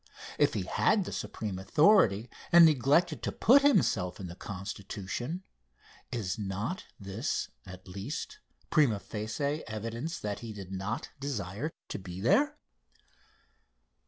If he had the supreme authority and neglected to put himself in the Constitution, is not this, at least, prima facie evidence that he did not desire to be there?